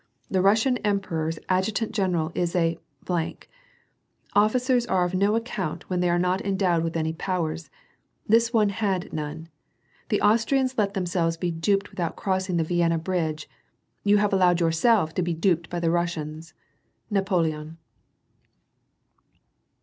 The Russian emperor's adjutant general is a —. Officers are of no ac count when they «ire not endowed with any powers: tliis one had none. 'i1ie Austrians let themselves he duped ahout the crossing of the Vienna bridge; you have allowed yourself to be duped by the Russians. •^ Napoleon.